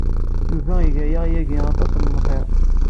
Yuba iga-aɣ yagi aṭas n lxir.